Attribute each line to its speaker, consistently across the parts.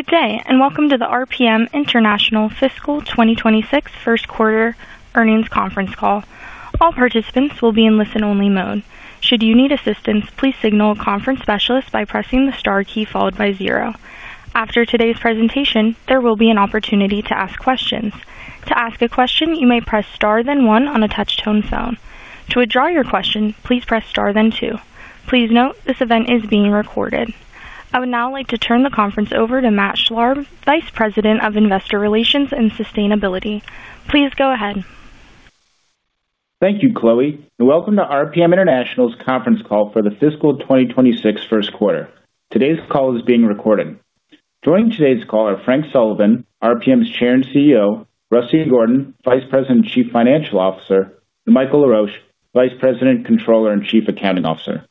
Speaker 1: Good day and welcome to the RPM International Fiscal 2026 First Quarter Earnings Conference Call. All participants will be in listen-only mode. Should you need assistance, please signal a conference specialist by pressing the star key followed by zero. After today's presentation, there will be an opportunity to ask questions. To ask a question, you may press star then one on a touch-tone phone. To withdraw your question, please press star then two. Please note, this event is being recorded. I would now like to turn the conference over to Matt Schlarb, Vice President of Investor Relations and Sustainability. Please go ahead.
Speaker 2: Thank you, Chloe, and welcome to RPM International conference call for the Fiscal 2026 First Quarter. Today's call is being recorded. Joining today's call are Frank Sullivan, RPM's Chair and CEO; Russell Gordon, Vice President and Chief Financial Officer; and Michael Laroche, Vice President, Controller, and Chief Accounting Officer.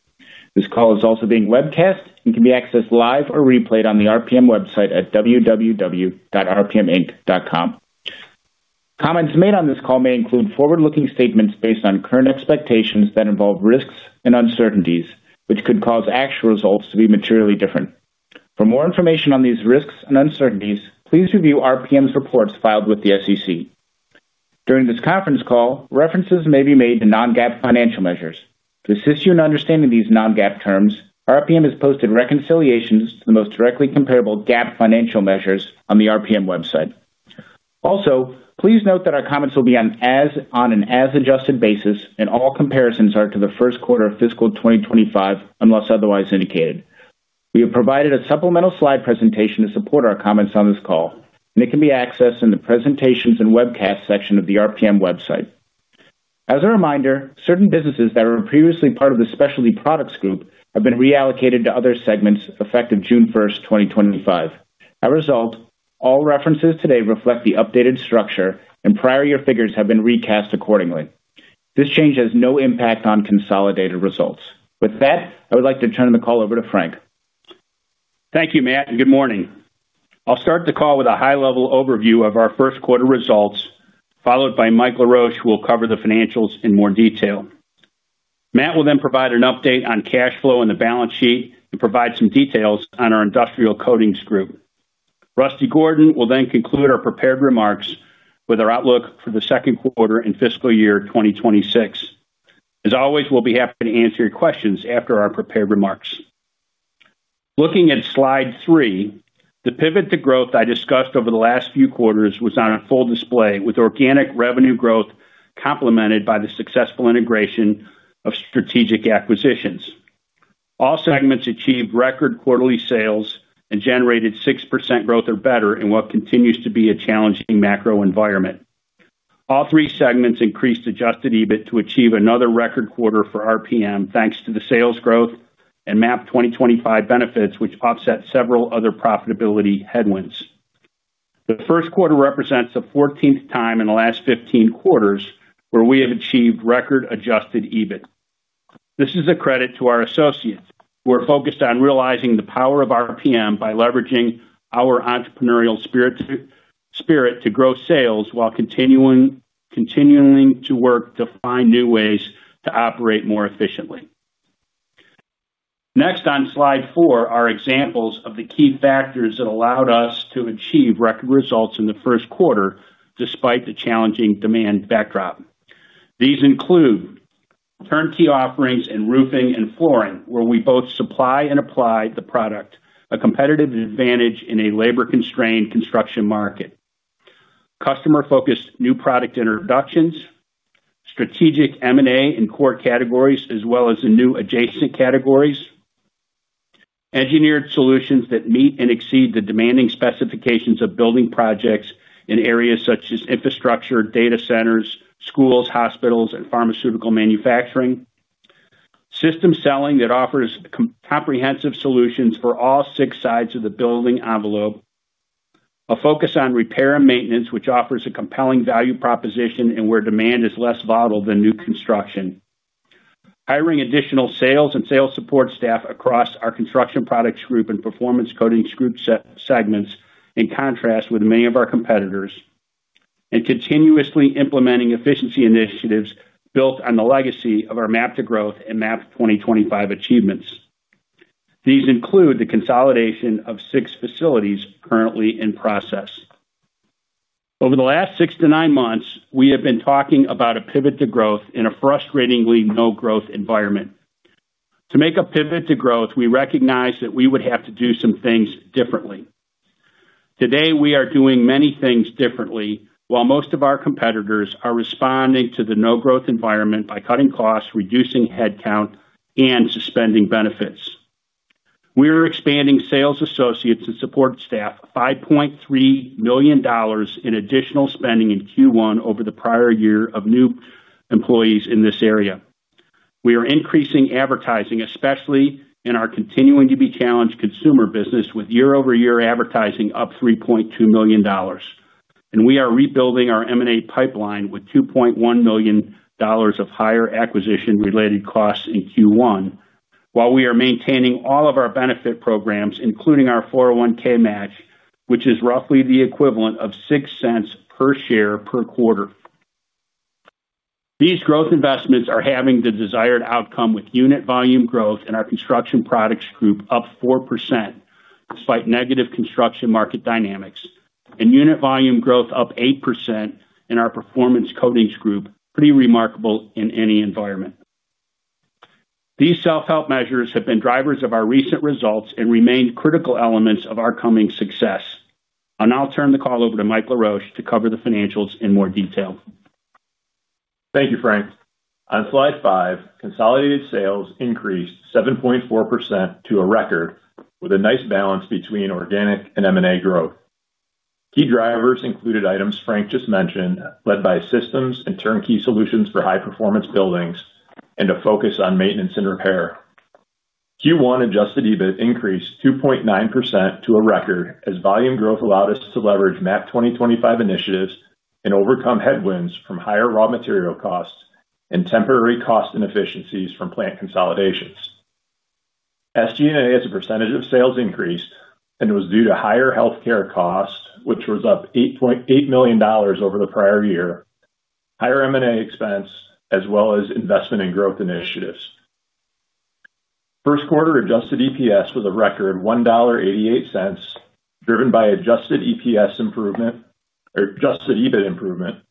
Speaker 2: This call is also being webcast and can be accessed live or replayed on the RPM website at www.rpminc.com. Comments made on this call may include forward-looking statements based on current expectations that involve risks and uncertainties, which could cause actual results to be materially different. For more information on these risks and uncertainties, please review RPM's reports filed with the SEC. During this conference call, references may be made to non-GAAP financial measures. To assist you in understanding these non-GAAP terms, RPM has posted reconciliations to the most directly comparable GAAP financial measures on the RPM website. Also, please note that our comments will be on an as-adjusted basis, and all comparisons are to the first quarter of Fiscal 2025 unless otherwise indicated. We have provided a supplemental slide presentation to support our comments on this call, and it can be accessed in the presentations and webcast section of the RPM website. As a reminder, certain businesses that were previously part of the Specialty Products Group have been reallocated to other segments effective June 1st, 2025. As a result, all references today reflect the updated structure, and prior year figures have been recast accordingly. This change has no impact on consolidated results. With that, I would like to turn the call over to Frank.
Speaker 3: Thank you, Matt, and good morning. I'll start the call with a high-level overview of our first quarter results, followed by Mike Laroche, who will cover the financials in more detail. Matt will then provide an update on cash flow and the balance sheet and provide some details on our industrial coatings group. Russell Gordon will then conclude our prepared remarks with our outlook for the second quarter in fiscal year 2026. As always, we'll be happy to answer your questions after our prepared remarks. Looking at slide three, the pivot to growth I discussed over the last few quarters was on full display, with organic revenue growth complemented by the successful integration of strategic acquisitions. All segments achieved record quarterly sales and generated 6% growth or better in what continues to be a challenging macro environment. All three segments increased adjusted EBIT to achieve another record quarter for RPM, thanks to the sales growth and MAP 2025 benefits, which offset several other profitability headwinds. The first quarter represents the 14th time in the last 15 quarters where we have achieved record adjusted EBIT. This is a credit to our associates, who are focused on realizing the power of RPM by leveraging our entrepreneurial spirit to grow sales while continuing to work to find new ways to operate more efficiently. Next, on slide four, are examples of the key factors that allowed us to achieve record results in the first quarter despite the challenging demand backdrop. These include turnkey offerings in roofing and flooring, where we both supply and apply the product, a competitive advantage in a labor-constrained construction market, customer-focused new product introductions, strategic M&A in core categories, as well as in new adjacent categories, engineered solutions that meet and exceed the demanding specifications of building projects in areas such as infrastructure, data centers, schools, hospitals, and pharmaceutical manufacturing, system selling that offers comprehensive solutions for all six sides of the building envelope, a focus on repair and maintenance, which offers a compelling value proposition and where demand is less volatile than new construction, hiring additional sales and sales support staff across our Construction Products Group and Performance Coatings Group segments in contrast with many of our competitors, and continuously implementing efficiency initiatives built on the legacy of our MAP to Growth and MAP 2025 achievements. These include the consolidation of six facilities currently in process. Over the last six to nine months, we have been talking about a pivot to growth in a frustratingly no-growth environment. To make a pivot to growth, we recognize that we would have to do some things differently. Today, we are doing many things differently, while most of our competitors are responding to the no-growth environment by cutting costs, reducing headcount, and suspending benefits. We are expanding sales associates and support staff, $5.3 million in additional spending in Q1 over the prior year of new employees in this area. We are increasing advertising, especially in our continuing-to-be-challenged consumer business, with year-over-year advertising up $3.2 million. We are rebuilding our M&A pipeline with $2.1 million of higher acquisition-related costs in Q1, while we are maintaining all of our benefit programs, including our 401(k) match, which is roughly the equivalent of $0.06 per share per quarter. These growth investments are having the desired outcome, with unit volume growth in our Construction Products Group up 4% despite negative construction market dynamics, and unit volume growth up 8% in our Performance Coatings Group, pretty remarkable in any environment. These self-help measures have been drivers of our recent results and remain critical elements of our coming success. I will now turn the call over to Mike Laroche to cover the financials in more detail.
Speaker 4: Thank you, Frank. On slide five, consolidated sales increased 7.4% to a record, with a nice balance between organic and M&A growth. Key drivers included items Frank just mentioned, led by systems and turnkey solutions for high-performance buildings, and a focus on maintenance and repair. Q1 adjusted EBIT increased 2.9% to a record, as volume growth allowed us to leverage MAP 2025 initiatives and overcome headwinds from higher raw material costs and temporary cost inefficiencies from plant consolidations. SG&A as a percentage of sales increased, and it was due to higher healthcare costs, which was up $8.8 million over the prior year, higher M&A expense, as well as investment in growth initiatives. First quarter adjusted EPS was a record $1.88, driven by adjusted EPS improvement, or adjusted EBIT improvement,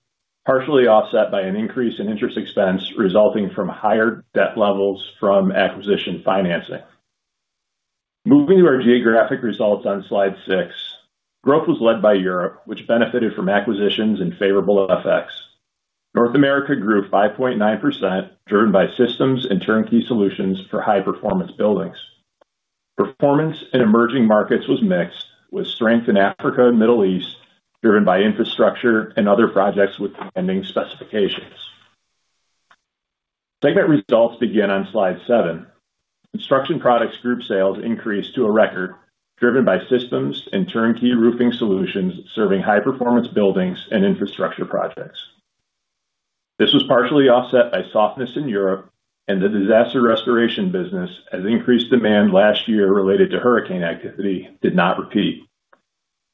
Speaker 4: partially offset by an increase in interest expense resulting from higher debt levels from acquisition financing. Moving to our geographic results on slide six, growth was led by Europe, which benefited from acquisitions and favorable effects. North America grew 5.9%, driven by systems and turnkey solutions for high-performance buildings. Performance in emerging markets was mixed, with strength in Africa and the Middle East, driven by infrastructure and other projects with demanding specifications. Segment results begin on slide seven. Construction Products Group sales increased to a record, driven by systems and turnkey roofing solutions serving high-performance buildings and infrastructure projects. This was partially offset by softness in Europe, and the disaster restoration business, as increased demand last year related to hurricane activity, did not repeat.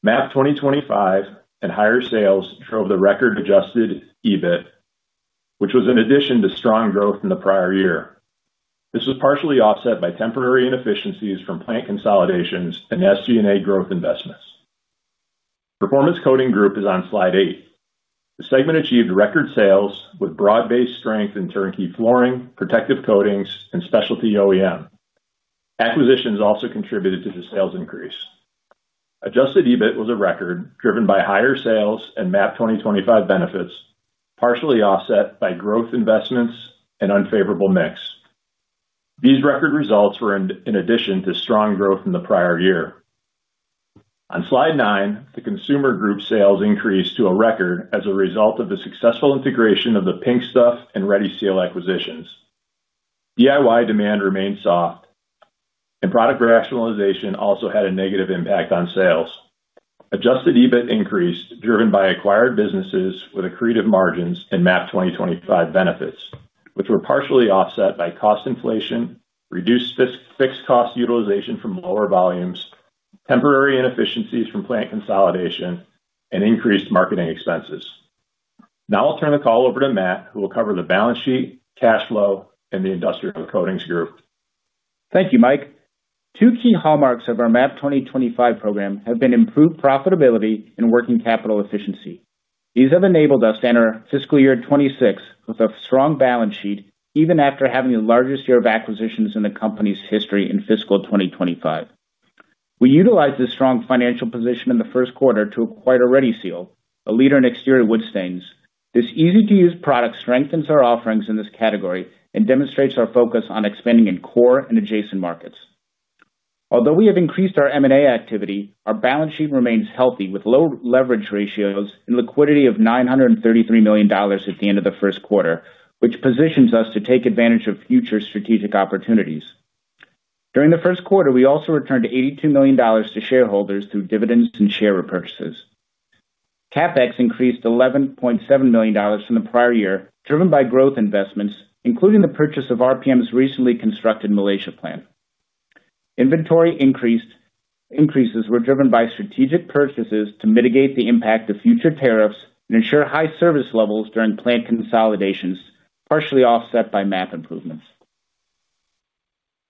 Speaker 4: MAP 2025 and higher sales drove the record adjusted EBIT, which was in addition to strong growth in the prior year. This was partially offset by temporary inefficiencies from plant consolidations and SG&A growth investments. Performance Coatings Group is on slide eight. The segment achieved record sales with broad-based strength in turnkey flooring, protective coatings, and specialty OEM. Acquisitions also contributed to the sales increase. Adjusted EBIT was a record, driven by higher sales and MAP 2025 benefits, partially offset by growth investments and unfavorable mix. These record results were in addition to strong growth in the prior year. On slide nine, the Consumer Group sales increased to a record as a result of the successful integration of The Pink Stuff and Ready Seal acquisitions. DIY demand remained soft, and product rationalization also had a negative impact on sales. Adjusted EBIT increased, driven by acquired businesses with accretive margins and MAP 2025 benefits, which were partially offset by cost inflation, reduced fixed cost utilization from lower volumes, temporary inefficiencies from plant consolidation, and increased marketing expenses. Now I'll turn the call over to Matt, who will cover the balance sheet, cash flow, and the industrial coatings group.
Speaker 2: Thank you, Mike. Two key hallmarks of our MAP 2025 program have been improved profitability and working capital efficiency. These have enabled us to enter fiscal year 2026 with a strong balance sheet, even after having the largest year of acquisitions in the company's history in fiscal 2025. We utilized this strong financial position in the first quarter to acquire ReadySeal, a leader in exterior wood stains. This easy-to-use product strengthens our offerings in this category and demonstrates our focus on expanding in core and adjacent markets. Although we have increased our M&A activity, our balance sheet remains healthy with low leverage ratios and liquidity of $933 million at the end of the first quarter, which positions us to take advantage of future strategic opportunities. During the first quarter, we also returned $82 million to shareholders through dividends and share repurchases. CapEx increased $11.7 million from the prior year, driven by growth investments, including the purchase of RPM's recently constructed Malaysia plant. Inventory increases were driven by strategic purchases to mitigate the impact of future tariffs and ensure high service levels during plant consolidations, partially offset by MAP improvements.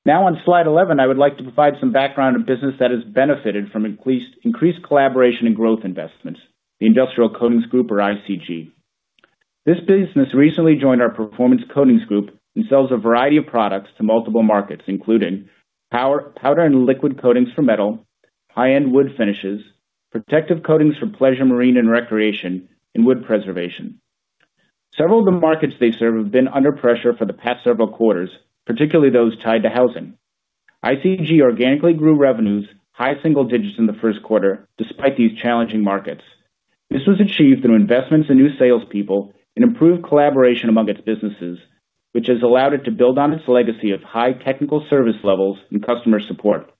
Speaker 2: Now on slide 11, I would like to provide some background of a business that has benefited from increased collaboration and growth investments, the Industrial Coatings Group or ICG. This business recently joined our Performance Coatings Group and sells a variety of products to multiple markets, including powder and liquid coatings for metal, high-end wood finishes, protective coatings for pleasure marine and recreation, and wood preservation. Several of the markets they serve have been under pressure for the past several quarters, particularly those tied to housing. ICG organically grew revenues high single digits in the first quarter, despite these challenging markets. This was achieved through investments in new salespeople and improved collaboration among its businesses, which has allowed it to build on its legacy of high technical service levels and customer support.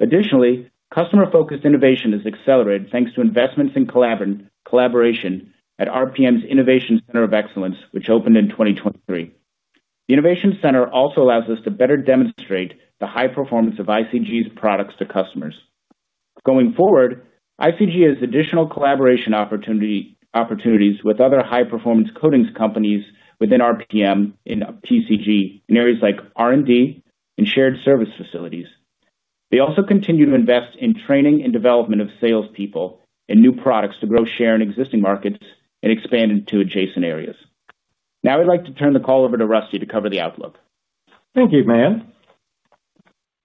Speaker 2: Additionally, customer-focused innovation has accelerated thanks to investments in collaboration at RPM's Innovation Center of Excellence, which opened in 2023. The Innovation Center also allows us to better demonstrate the high performance of ICG's products to customers. Going forward, ICG has additional collaboration opportunities with other high-performance coatings companies within RPM and PCG in areas like R&D and shared service facilities. They also continue to invest in training and development of salespeople and new products to grow share in existing markets and expand into adjacent areas. Now I'd like to turn the call over to Rusty to cover the outlook.
Speaker 5: Thank you, Matt.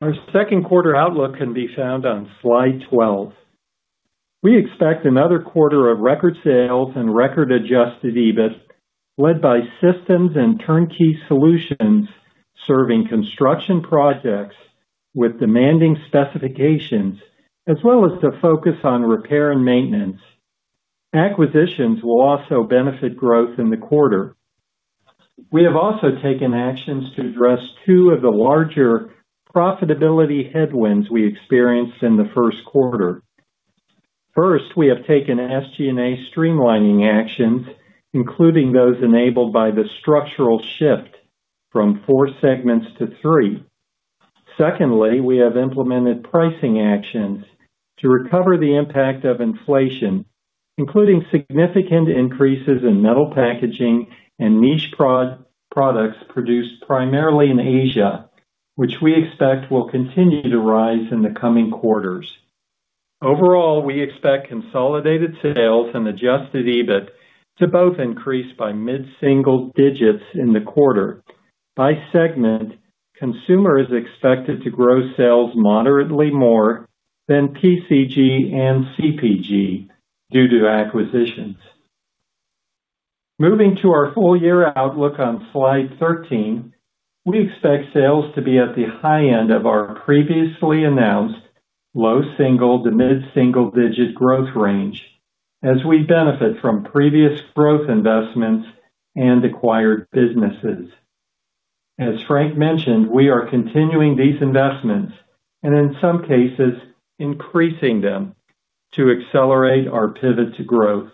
Speaker 5: Our second quarter outlook can be found on slide 12. We expect another quarter of record sales and record adjusted EBIT, led by systems and turnkey solutions serving construction projects with demanding specifications, as well as a focus on repair and maintenance. Acquisitions will also benefit growth in the quarter. We have also taken actions to address two of the larger profitability headwinds we experienced in the first quarter. First, we have taken SG&A streamlining actions, including those enabled by the structural shift from four segments to three. Secondly, we have implemented pricing actions to recover the impact of inflation, including significant increases in metal packaging and niche products produced primarily in Asia, which we expect will continue to rise in the coming quarters. Overall, we expect consolidated sales and adjusted EBIT to both increase by mid-single digits in the quarter. By segment, Consumer Group is expected to grow sales moderately more than Performance Coatings Group and Construction Products Group due to acquisitions. Moving to our full year outlook on slide 13, we expect sales to be at the high end of our previously announced low single to mid-single digit growth range, as we benefit from previous growth investments and acquired businesses. As Frank mentioned, we are continuing these investments and, in some cases, increasing them to accelerate our pivot to growth.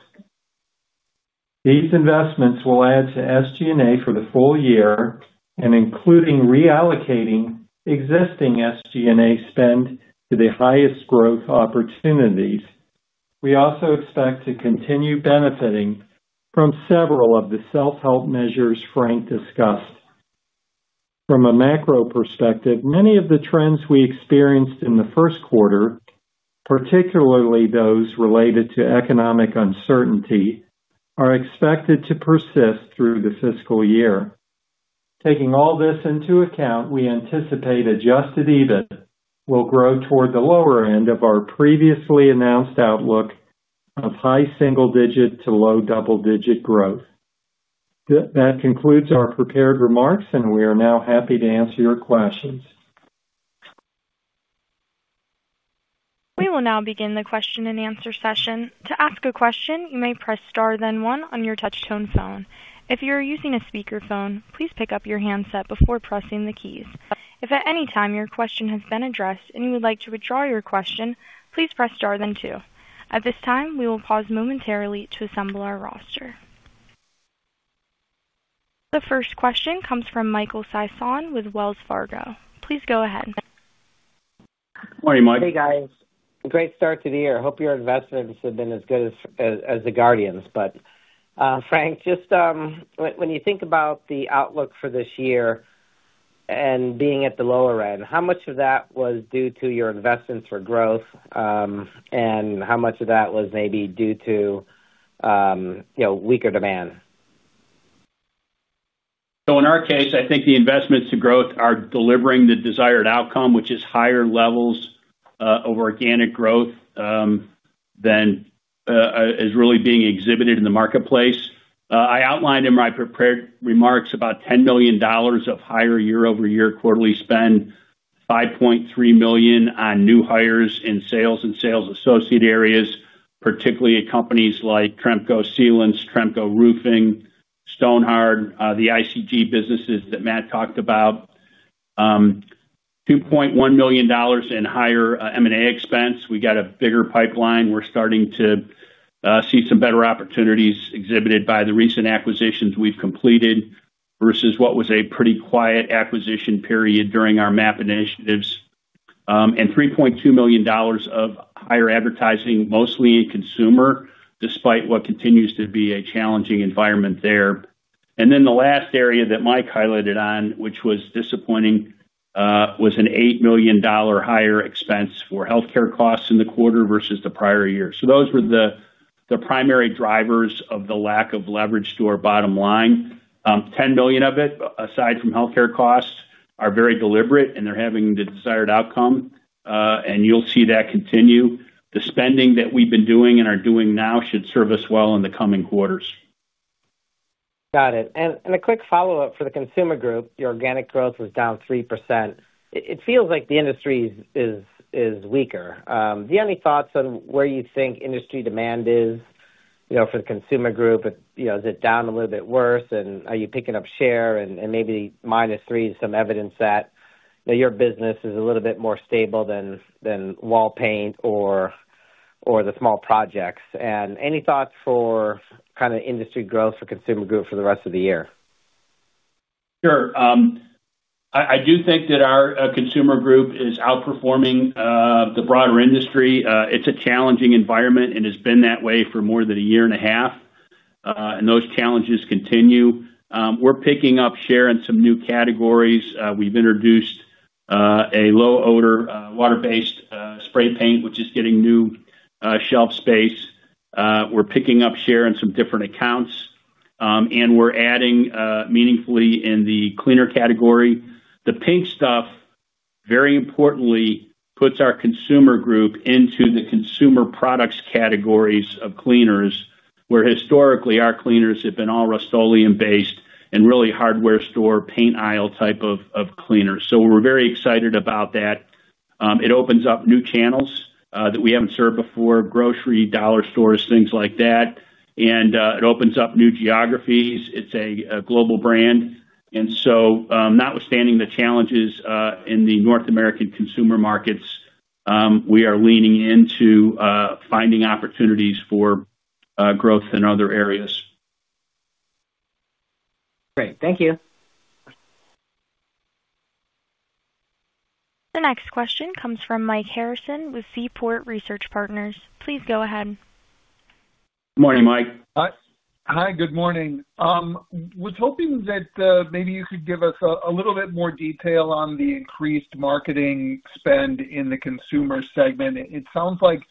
Speaker 5: These investments will add to SG&A for the full year, including reallocating existing SG&A spend to the highest growth opportunities. We also expect to continue benefiting from several of the self-help measures Frank discussed. From a macro perspective, many of the trends we experienced in the first quarter, particularly those related to economic uncertainty, are expected to persist through the fiscal year. Taking all this into account, we anticipate adjusted EBIT will grow toward the lower end of our previously announced outlook of high single digit to low double digit growth. That concludes our prepared remarks, and we are now happy to answer your questions.
Speaker 1: We will now begin the question and answer session. To ask a question, you may press star then one on your touch-tone phone. If you are using a speaker phone, please pick up your handset before pressing the key. If at any time your question has been addressed and you would like to withdraw your question, please press star then two. At this time, we will pause momentarily to assemble our roster. The first question comes from Michael Sison with Wells Fargo. Please go ahead.
Speaker 3: Good morning, Mike.
Speaker 6: Hey, guys. Great start to the year. Hope your investments have been as good as the Guardian's. Frank, just, when you think about the outlook for this year and being at the lower end, how much of that was due to your investments for growth, and how much of that was maybe due to, you know, weaker demand?
Speaker 3: In our case, I think the investments to growth are delivering the desired outcome, which is higher levels of organic growth than is really being exhibited in the marketplace. I outlined in my prepared remarks about $10 million of higher year-over-year quarterly spend, $5.3 million on new hires in sales and sales associate areas, particularly at companies like Tremco Sealants, Tremco Roofing, Stonhard, the ICG businesses that Matt talked about. $2.1 million in higher M&A expense. We got a bigger pipeline. We're starting to see some better opportunities exhibited by the recent acquisitions we've completed versus what was a pretty quiet acquisition period during our MAP initiatives. $3.2 million of higher advertising, mostly in consumer, despite what continues to be a challenging environment there. The last area that Mike highlighted on, which was disappointing, was an $8 million higher expense for healthcare costs in the quarter versus the prior year. Those were the primary drivers of the lack of leverage to our bottom line. $10 million of it, aside from healthcare costs, are very deliberate, and they're having the desired outcome. You'll see that continue. The spending that we've been doing and are doing now should serve us well in the coming quarters.
Speaker 6: Got it. A quick follow-up for the Consumer Group. Your organic growth was down 3%. It feels like the industry is weaker. Do you have any thoughts on where you think industry demand is for the Consumer Group? Is it down a little bit worse? Are you picking up share? Maybe the -3% is some evidence that your business is a little bit more stable than Wall Paint or the small projects. Any thoughts for kind of industry growth for the Consumer Group for the rest of the year?
Speaker 3: Sure. I do think that our Consumer Group is outperforming the broader industry. It's a challenging environment and has been that way for more than a year and a half. Those challenges continue. We're picking up share in some new categories. We've introduced a low odor, water-based spray paint, which is getting new shelf space. We're picking up share in some different accounts, and we're adding meaningfully in the cleaner category. The Pink Stuff, very importantly, puts our Consumer Group into the consumer products categories of cleaners, where historically our cleaners have been all Rust-Oleum-based and really hardware store paint aisle type of cleaners. We're very excited about that. It opens up new channels that we haven't served before: grocery, dollar stores, things like that. It opens up new geographies. It's a global brand. Notwithstanding the challenges in the North American consumer markets, we are leaning into finding opportunities for growth in other areas.
Speaker 6: Great, thank you.
Speaker 1: The next question comes from Mike Harrison with Seaport Research Partners. Please go ahead.
Speaker 3: Morning, Mike.
Speaker 7: Hi, good morning. I was hoping that maybe you could give us a little bit more detail on the increased marketing spend in the Consumer Group. It sounds like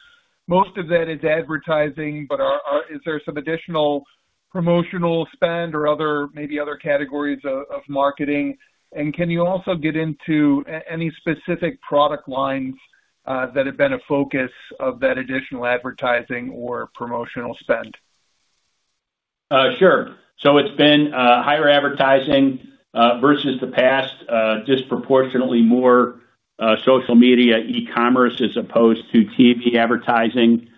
Speaker 7: most of that is advertising, but is there some additional promotional spend or maybe other categories of marketing? Can you also get into any specific product lines that have been a focus of that additional advertising or promotional spend?
Speaker 3: Sure. It's been higher advertising versus the past, disproportionately more social media, E-commerce as opposed to TV advertising.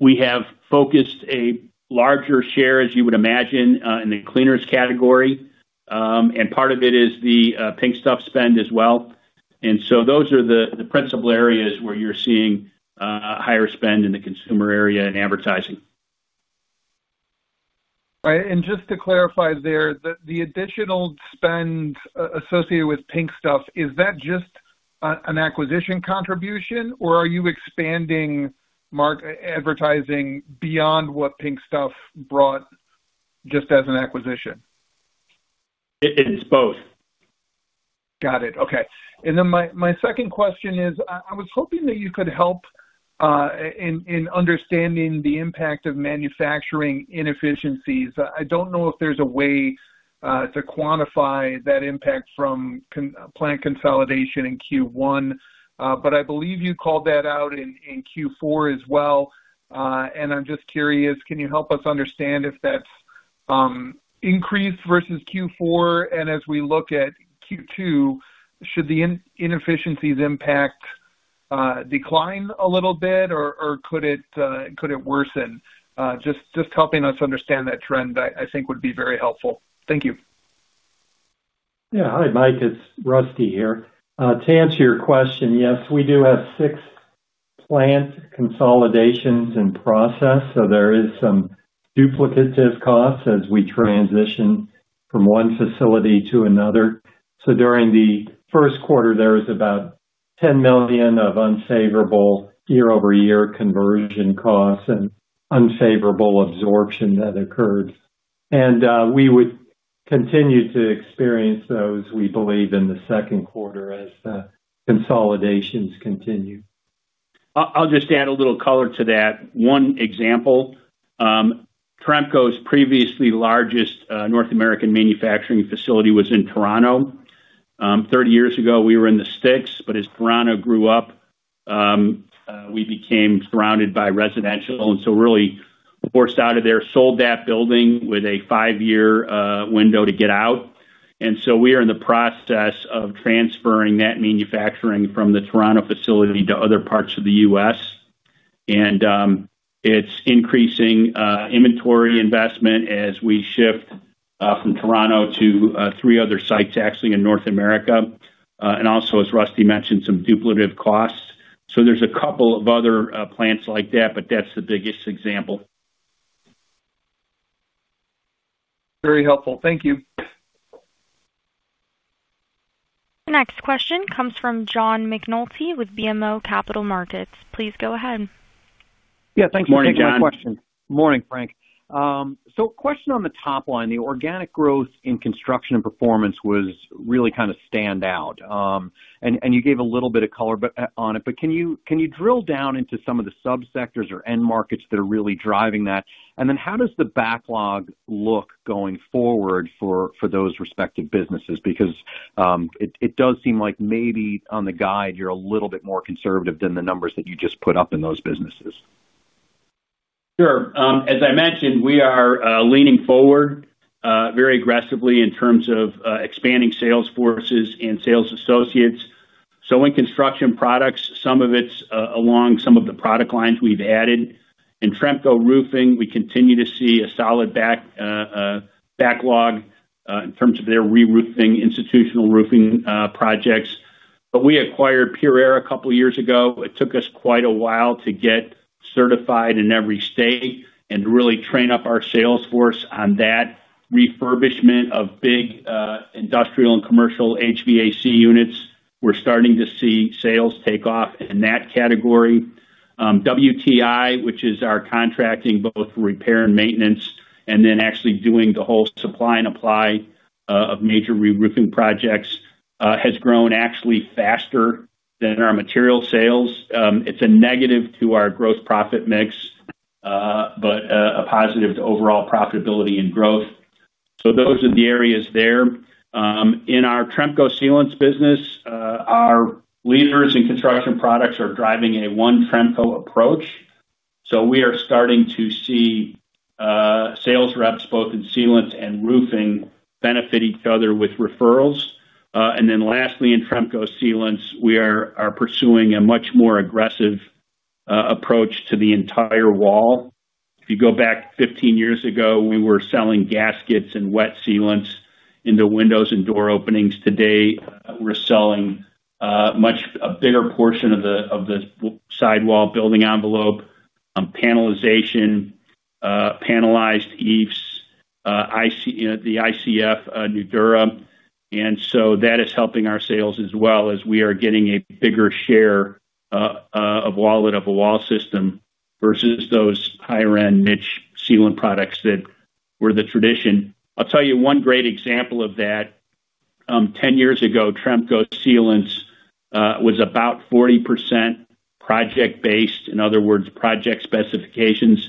Speaker 3: We have focused a larger share, as you would imagine, in the cleaners category. Part of it is The Pink Stuff spend as well. Those are the principal areas where you're seeing higher spend in the consumer area and advertising.
Speaker 7: Just to clarify there, the additional spend associated with Pink Stuff, is that just an acquisition contribution, or are you expanding advertising beyond what Pink Stuff brought just as an acquisition?
Speaker 3: It's both.
Speaker 7: Got it. Okay. My second question is, I was hoping that you could help in understanding the impact of manufacturing inefficiencies. I don't know if there's a way to quantify that impact from plant consolidation in Q1, but I believe you called that out in Q4 as well. I'm just curious, can you help us understand if that's increased versus Q4? As we look at Q2, should the inefficiencies impact decline a little bit, or could it worsen? Just helping us understand that trend, I think, would be very helpful. Thank you.
Speaker 5: Yeah. Hi, Mike. It's Rusty here. To answer your question, yes, we do have six plant consolidations in process. There are some duplicative costs as we transition from one facility to another. During the first quarter, there was about $10 million of unfavorable year-over-year conversion costs and unfavorable absorption that occurred. We would continue to experience those, we believe, in the second quarter as the consolidations continue.
Speaker 3: I'll just add a little color to that. One example, Tremco previously largest North American manufacturing facility was in Toronto. Thirty years ago, we were in the sticks, but as Toronto grew up, we became surrounded by residential and really forced out of there, sold that building with a five-year window to get out. We are in the process of transferring that manufacturing from the Toronto facility to other parts of the U.S. It's increasing inventory investment as we shift from Toronto to three other sites, actually, in North America. Also, as Rusty mentioned, some duplicative costs. There are a couple of other plants like that, but that's the biggest example.
Speaker 7: Very helpful. Thank you.
Speaker 1: The next question comes from John McNulty with BMO Capital Markets. Please go ahead.
Speaker 8: Yeah, thanks for taking my question.
Speaker 3: Morning, John.
Speaker 8: Morning, Frank. A question on the top line. The organic growth in Construction Products Group and Performance Coatings Group was really kind of standout. You gave a little bit of color on it, but can you drill down into some of the subsectors or end markets that are really driving that? How does the backlog look going forward for those respective businesses? It does seem like maybe on the guide, you're a little bit more conservative than the numbers that you just put up in those businesses.
Speaker 3: Sure. As I mentioned, we are leaning forward very aggressively in terms of expanding sales forces and sales associates. In Construction Products, some of it's along some of the product lines we've added. In Tremco Roofing, we continue to see a solid backlog in terms of their reroofing, institutional roofing projects. We acquired PureAir a couple of years ago. It took us quite a while to get certified in every state and to really train up our sales force on that refurbishment of big industrial and commercial HVAC units. We're starting to see sales take off in that category. WTI, which is our contracting both for repair and maintenance, and then actually doing the whole supply and apply of major reroofing projects, has grown actually faster than our material sales. It's a negative to our gross profit mix, but a positive to overall profitability and growth. Those are the areas there. In our Tremco Sealants business, our leaders in Construction Products are driving a One Tremco approach. We are starting to see sales reps both in sealants and roofing benefit each other with referrals. Lastly, in Tremco Sealants, we are pursuing a much more aggressive approach to the entire wall. If you go back 15 years ago, we were selling gaskets and wet sealants into windows and door openings. Today, we're selling a much bigger portion of the sidewall building envelope, panelization, panelized eaves, the ICF, NUDURA. That is helping our sales as well, as we are getting a bigger share of wallet of a wall system versus those higher-end niche sealant products that were the tradition. I'll tell you one great example of that. Ten years ago, Tremco Sealants was about 40% project-based, in other words, project specifications,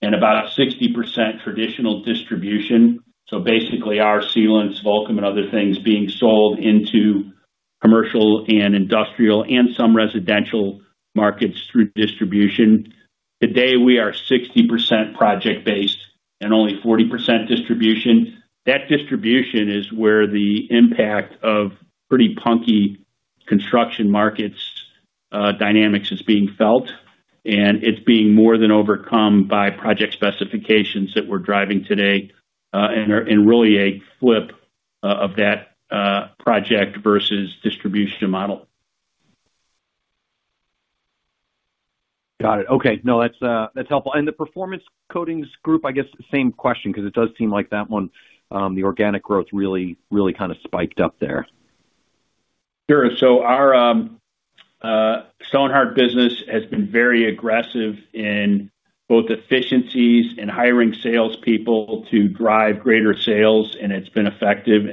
Speaker 3: and about 60% traditional distribution. Basically, our sealants, Vulkem, and other things being sold into commercial and industrial and some residential markets through distribution. Today, we are 60% project-based and only 40% distribution. That distribution is where the impact of pretty punky construction markets' dynamics is being felt. It's being more than overcome by project specifications that we're driving today and are in really a flip of that project versus distribution model.
Speaker 8: Got it. Okay. No, that's helpful. Performance Coatings Group, I guess, same question, because it does seem like that one, the organic growth really, really kind of spiked up there.
Speaker 3: Sure. Our Stonhard business has been very aggressive in both efficiencies and hiring salespeople to drive greater sales, and it's been effective.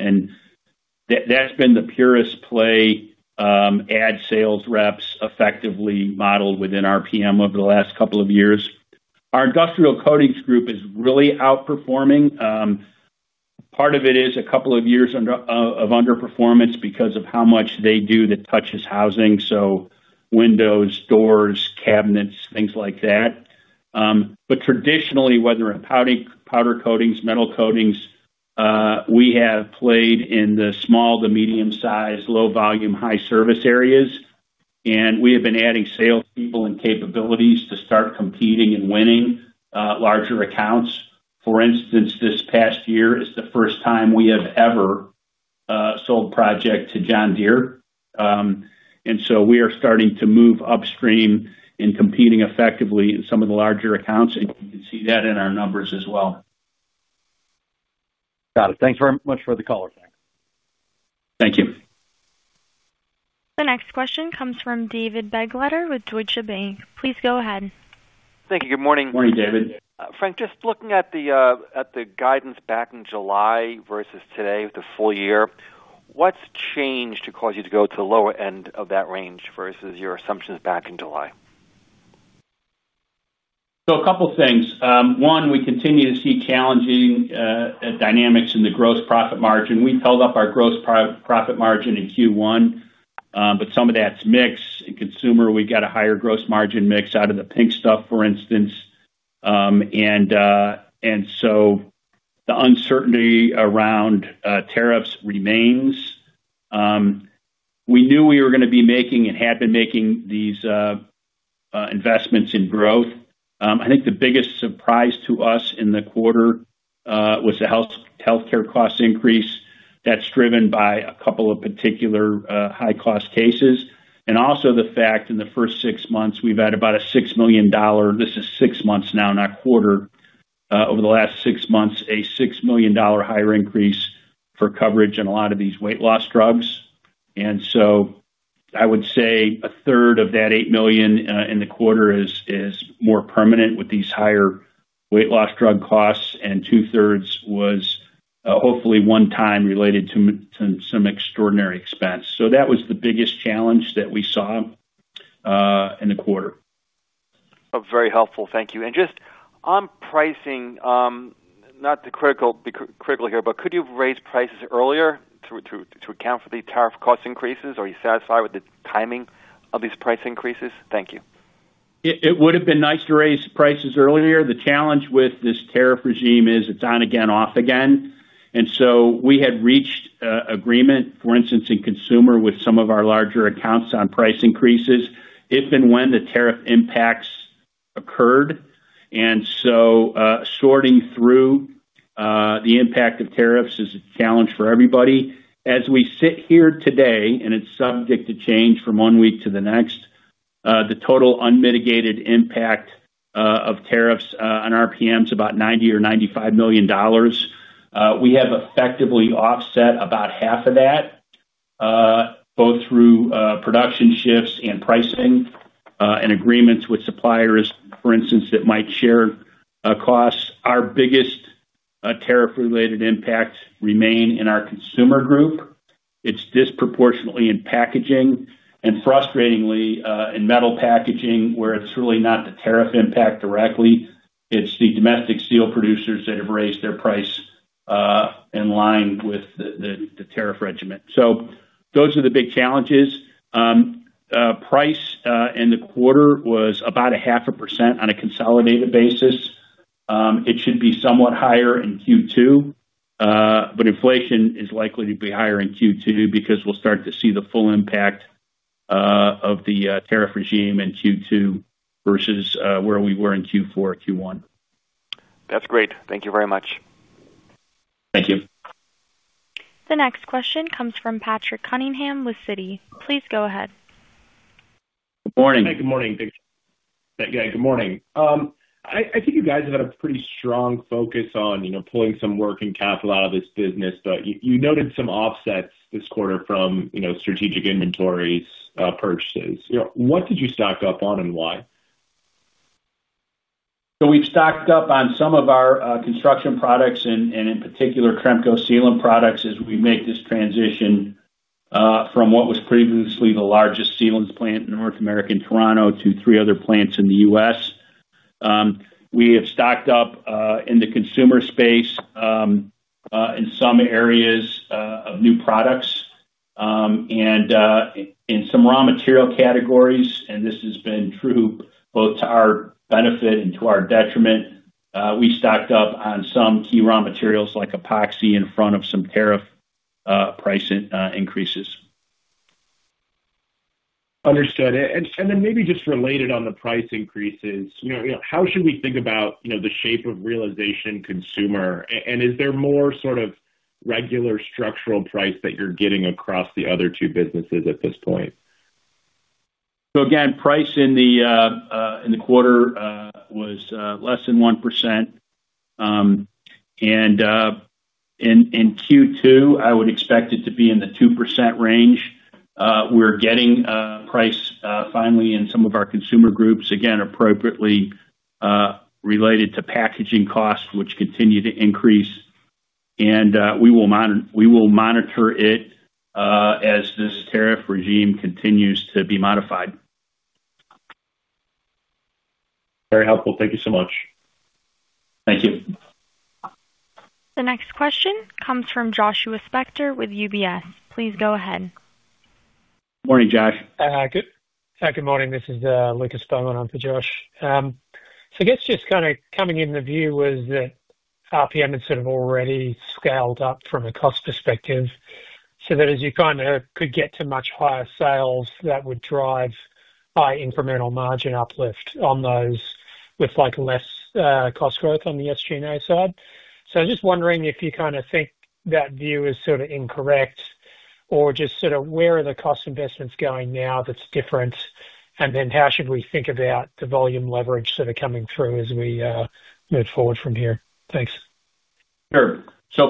Speaker 3: That's been the purest play: add sales reps effectively modeled within RPM over the last couple of years. Our industrial coatings group is really outperforming. Part of it is a couple of years of underperformance because of how much they do that touches housing, so windows, doors, cabinets, things like that. Traditionally, whether in powder coatings or metal coatings, we have played in the small to medium-sized, low volume, high service areas. We have been adding salespeople and capabilities to start competing and winning larger accounts. For instance, this past year is the first time we have ever sold a project to John Deere. We are starting to move upstream and competing effectively in some of the larger accounts. You can see that in our numbers as well.
Speaker 8: Got it. Thanks very much for the color, Frank.
Speaker 3: Thank you.
Speaker 1: The next question comes from David Begleiter with Deutsche Bank. Please go ahead.
Speaker 9: Thank you. Good morning.
Speaker 3: Morning, David.
Speaker 9: Frank, just looking at the guidance back in July versus today with the full year, what's changed to cause you to go to the lower end of that range versus your assumptions back in July?
Speaker 3: A couple of things. One, we continue to see challenging dynamics in the gross profit margin. We've held up our gross profit margin in Q1, but some of that's mixed. Consumer, we got a higher gross margin mix out of The Pink Stuff, for instance. The uncertainty around tariffs remains. We knew we were going to be making and had been making these investments in growth. I think the biggest surprise to us in the quarter was the healthcare cost increase that's driven by a couple of particular high-cost cases. Also, the fact in the first six months, we've had about a $6 million—this is six months now, not a quarter—over the last six months, a $6 million higher increase for coverage in a lot of these weight loss drugs. I would say a third of that $8 million in the quarter is more permanent with these higher weight loss drug costs, and 2/3 was hopefully one time related to some extraordinary expense. That was the biggest challenge that we saw in the quarter.
Speaker 9: Very helpful. Thank you. On pricing, not to be critical here, could you raise prices earlier to account for the tariff cost increases? Are you satisfied with the timing of these price increases? Thank you. It would have been nice to raise prices earlier. The challenge with this tariff regime is it's on again, off again. We had reached agreement, for instance, in Consumer with some of our larger accounts on price increases if and when the tariff impacts occurred. Sorting through the impact of tariffs is a challenge for everybody. As we sit here today, and it's subject to change from one week to the next, the total unmitigated impact of tariffs on RPM. is about $90 million or $95 million. We have effectively offset about half of that, both through production shifts and pricing and agreements with suppliers, for instance, that might share costs. Our biggest tariff-related impacts remain in our Consumer Group. It's disproportionately in packaging and frustratingly in metal packaging, where it's really not the tariff impact directly. It's the domestic steel producers that have raised their price in line with the tariff regimen. Those are the big challenges. Price in the quarter was about 0.5% on a consolidated basis. It should be somewhat higher in Q2. Inflation is likely to be higher in Q2 because we'll start to see the full impact of the tariff regime in Q2 versus where we were in Q4 or Q1.
Speaker 6: That's great. Thank you very much.
Speaker 3: Thank you.
Speaker 1: The next question comes from Patrick Cunningham with Citi. Please go ahead.
Speaker 10: Morning.
Speaker 3: Good morning.
Speaker 10: Yeah, good morning. I think you guys have had a pretty strong focus on, you know, pulling some working capital out of this business, but you noted some offsets this quarter from, you know, strategic inventory purchases. You know, what did you stock up on and why?
Speaker 3: We have stocked up on some of our construction products and, in particular, Tremco Sealants products as we make this transition from what was previously the largest sealants plant in North America, in Toronto, to three other plants in the U.S. We have stocked up in the consumer space in some areas of new products and in some raw material categories. This has been true both to our benefit and to our detriment. We stocked up on some key raw materials like epoxy in front of some tariff price increases.
Speaker 10: Understood. Maybe just related on the price increases, how should we think about the shape of realization consumer? Is there more sort of regular structural price that you're getting across the other two businesses at this point?
Speaker 3: Price in the quarter was less than 1%. In Q2, I would expect it to be in the 2% range. We're getting price finally in some of our Consumer Group, appropriately related to packaging costs, which continue to increase. We will monitor it as this tariff regime continues to be modified.
Speaker 10: Very helpful. Thank you so much.
Speaker 3: Thank you.
Speaker 1: The next question comes from Josh Spector with UBS. Please go ahead.
Speaker 3: Morning, Josh?
Speaker 11: Good morning. This is Lucas Spellman. I'm for Josh. I guess just kind of coming in, the view was that RPM had sort of already scaled up from a cost perspective so that as you kind of could get to much higher sales, that would drive high incremental margin uplift on those with like less cost growth on the SG&A side. I was just wondering if you kind of think that view is sort of incorrect or just sort of where are the cost investments going now that's different? How should we think about the volume leverage sort of coming through as we move forward from here? Thanks.
Speaker 3: Sure.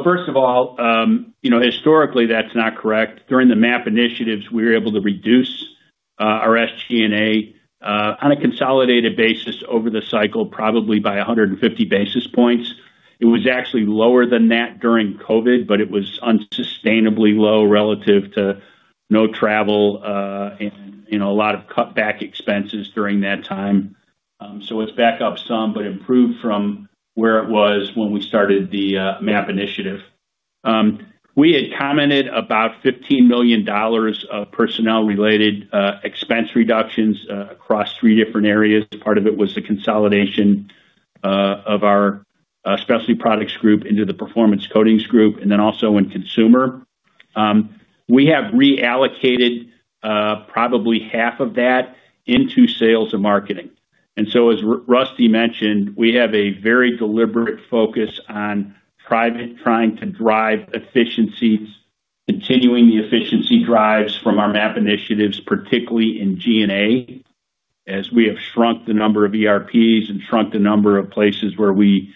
Speaker 3: First of all, historically, that's not correct. During the MAP initiatives, we were able to reduce our SG&A on a consolidated basis over the cycle, probably by 150 basis points. It was actually lower than that during COVID, but it was unsustainably low relative to no travel and a lot of cutback expenses during that time. It is back up some, but improved from where it was when we started the MAP initiative. We had commented about $15 million of personnel-related expense reductions across three different areas. Part of it was the consolidation of our specialty products group into the Performance Coatings Group, and then also in Consumer. We have reallocated probably half of that into sales and marketing. As Rusty mentioned, we have a very deliberate focus on trying to drive efficiencies, continuing the efficiency drives from our MAP initiatives, particularly in G&A, as we have shrunk the number of ERPs and shrunk the number of places where we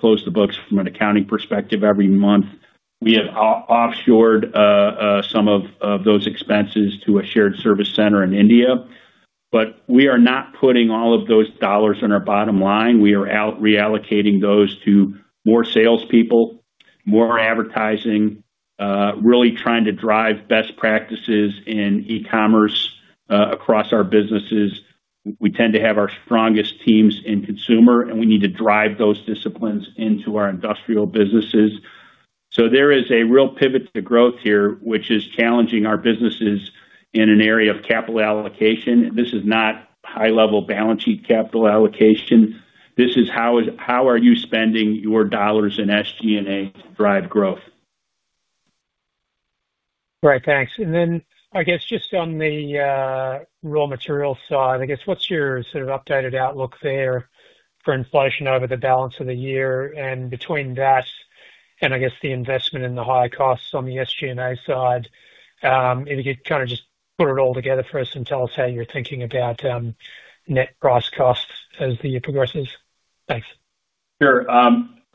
Speaker 3: close the books from an accounting perspective every month. We have offshored some of those expenses to a shared service center in India. We are not putting all of those dollars on our bottom line. We are reallocating those to more salespeople, more advertising, really trying to drive best practices in e-commerce across our businesses. We tend to have our strongest teams in Consumer, and we need to drive those disciplines into our industrial businesses. There is a real pivot to the growth here, which is challenging our businesses in an area of capital allocation. This is not high-level balance sheet capital allocation. This is how you are spending your dollars in SG&A to drive growth.
Speaker 11: Right. Thanks. Just on the raw materials side, what's your sort of updated outlook there for inflation over the balance of the year, and between that and the investment in the high costs on the SG&A side? If you could kind of just put it all together for us and tell us how you're thinking about net gross costs as the year progresses. Thanks.
Speaker 3: Sure.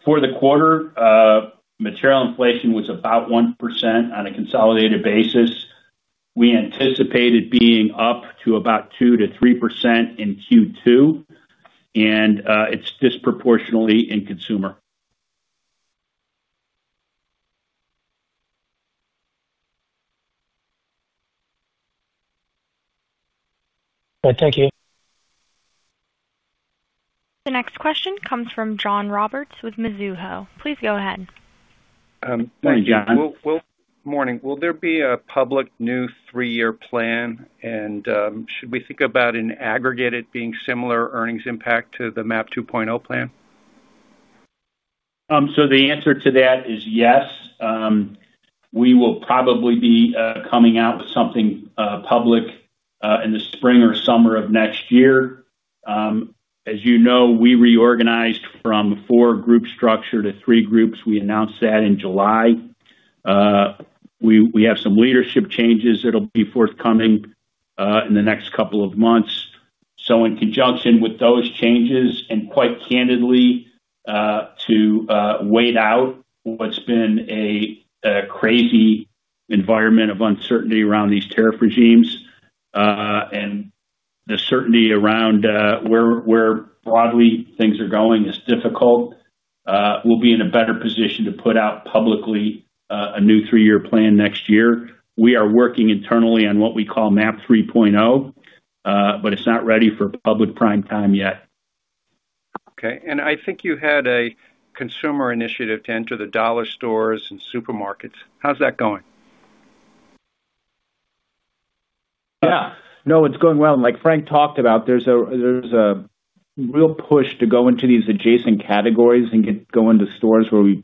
Speaker 3: For the quarter, material inflation was about 1% on a consolidated basis. We anticipated being up to about 2% - 3% in Q2. It's disproportionately in consumer.
Speaker 11: All right. Thank you.
Speaker 1: The next question comes from John Roberts with Mizuho. Please go ahead.
Speaker 3: Hey, John.
Speaker 12: Morning. Will there be a public new three-year plan? Should we think about an aggregated being similar earnings impact to the MAP 2.0 plan?
Speaker 3: The answer to that is yes. We will probably be coming out with something public in the spring or summer of next year. As you know, we reorganized from a four group structure to three groups. We announced that in July. We have some leadership changes that will be forthcoming in the next couple of months. In conjunction with those changes, and quite candidly, to wait out what's been a crazy environment of uncertainty around these tariff regimes and the certainty around where broadly things are going is difficult, we'll be in a better position to put out publicly a new three-year plan next year. We are working internally on what we call MAP 3.0, but it's not ready for public prime time yet.
Speaker 12: Okay. I think you had a consumer initiative to enter the dollar stores and supermarkets. How's that going?
Speaker 3: Yeah. No, it's going well. Like Frank talked about, there's a real push to go into these adjacent categories and go into stores where we